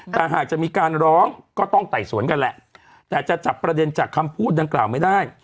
แต่หากจะมีการร้องก็ต้องไต่สวนกันแหละแต่จะจับประเด็นจากคำพูดดังกล่าวไม่ได้